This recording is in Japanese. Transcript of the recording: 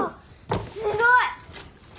すごい！